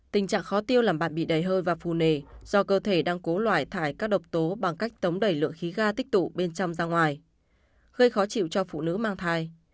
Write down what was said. tình trạng khó tiêu làm bạn bị đầy hơi và phù nề do cơ thể đang cố loài thải các độc tố bằng cách tống đẩy lượng khí ga tích tụ bên trong ra ngoài gây khó chịu cho phụ nữ mang thai